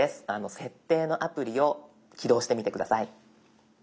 「設定」のアプリを起動してみて下さい。